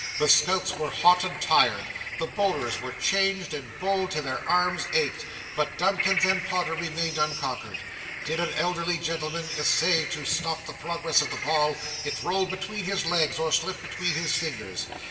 The scouts were hot and tired; the bowlers were changed and bowled till their arms ached; but Dumkins and Podder remained unconquered. Did an elderly gentleman essay to stop the progress of the ball, it rolled between his legs or slipped between his fingers.